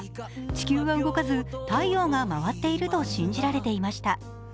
地球は動かず太陽が回っていると信じられていました。